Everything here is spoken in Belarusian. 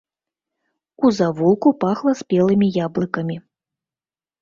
У завулку пахла спелымі яблыкамі.